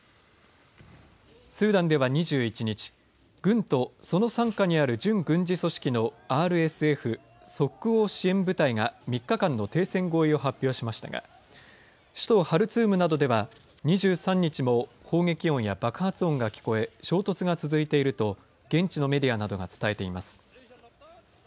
スーダンでは２１日軍とその傘下にある準軍事組織のＲＳＦ＝即応支援部隊が３日間の停戦合意を発表しましたが首都ハルツームなどでは２３日も砲撃音や爆発音が聞こえ衝突が続いていると現地のメディアなどが伝えています。